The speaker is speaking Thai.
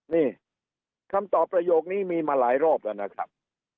นี่คำตอบประโยคนี้มีมาหลายรอบแล้วนะครับ